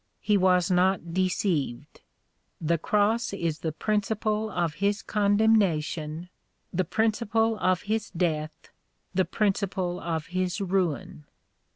He was not deceived. The Cross is the principle of his condemnation, the principle of his death, the principle of his ruin."